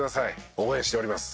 応援しております。